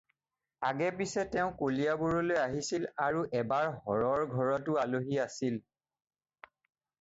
আগে-পিচে তেওঁ কলিয়াবৰলৈ আহিছিল আৰু এবাৰ হৰৰ ঘৰতো আলহী আছিল।